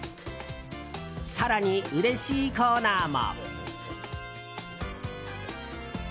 更に、うれしいコーナーも。